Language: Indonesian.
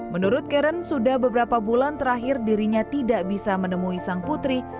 menurut karen sudah beberapa bulan terakhir dirinya tidak bisa menemui sang putri